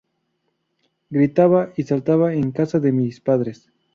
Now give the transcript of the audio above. Gritaba y saltaba en casa de mis padres.